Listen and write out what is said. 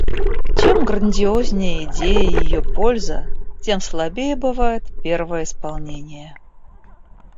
Чем грандиознее идея и ее польза, тем слабее бывает первое исполнение.